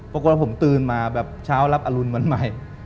ปรากฏว่าผมตื่นมาแบบเช้ารับอรุณวันใหม่